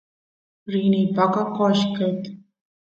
rini paqa qoshqet